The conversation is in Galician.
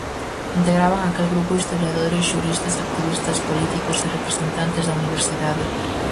Integraban aquel grupo historiadores, xuristas, activistas, políticos e representantes da Universidade.